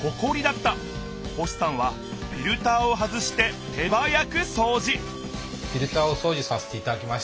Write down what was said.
星さんはフィルターを外して手早くそうじ！